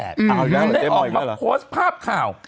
ได้ออกมาโพสต์ภาพข่าว